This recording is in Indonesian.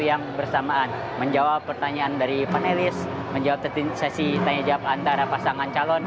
yang bersamaan menjawab pertanyaan dari panelis menjawab sesi tanya jawab antara pasangan calon